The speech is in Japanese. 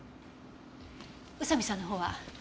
宇佐見さんの方は？